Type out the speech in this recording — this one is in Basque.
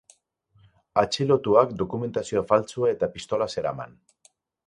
Atxilotuak dokumentazio faltsua eta pistola zeraman.